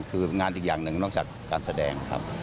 คืองานอีกอย่างหนึ่งนอกจากการแสดงครับ